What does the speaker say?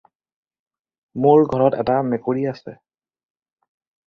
মোৰ ঘৰত এটা মেকুৰী আছে।